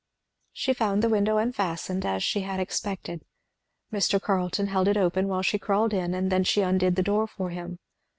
She found the window unfastened, as she had expected; Mr. Carleton held it open while she crawled in and then she undid the door for him.